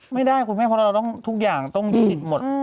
ไม่ได้คุณแม่เพราะเราต้องทุกอย่างต้องหยุดหมด